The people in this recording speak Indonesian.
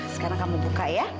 sekarang kamu buka ya